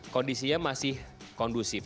kondisinya masih kondusif